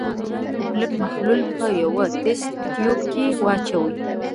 د سوډیم کلورایډ اوبلن محلول په یوه تست تیوب کې واچوئ.